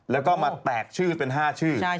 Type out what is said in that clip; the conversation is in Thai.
แล้วก็มาแตกชื่อเป็น๕ชื่อ